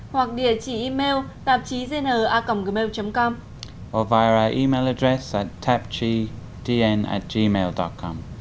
hoặc địa chỉ email tạp chí dn gmail com